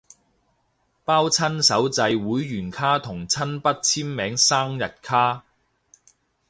包親手製會員卡同親筆簽名生日卡